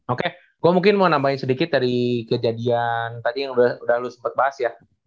oke gue mungkin mau nambahin sedikit dari kejadian tadi yang udah lu sempat bahas ya